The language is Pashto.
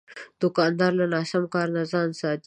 دوکاندار له ناسم کار نه ځان ساتي.